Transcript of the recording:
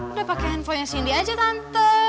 udah pakai handphonenya cindy aja tante